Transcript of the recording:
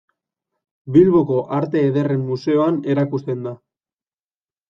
Bilboko Arte Ederren Museoan erakusten da.